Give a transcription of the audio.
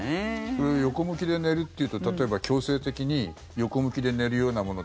横向きで寝るというと例えば、強制的に横向きで寝るようなもの